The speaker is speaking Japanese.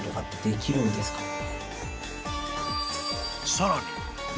［さらに］